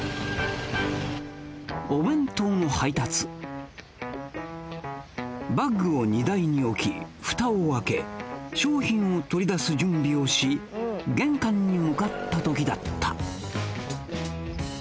お弁当の配達バッグを荷台に置きフタを開け商品を取り出す準備をし玄関に向かった時だった